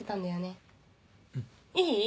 いい？